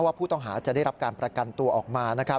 ผู้ต้องหาจะได้รับการประกันตัวออกมา